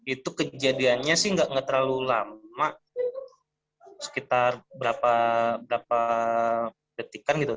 itu kejadiannya sih nggak terlalu lama sekitar berapa detik kan gitu